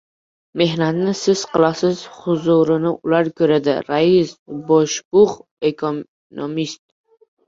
Mehnatni siz qilasiz, huzurini ular ko‘radi! Rais, boshbux, ekonomist...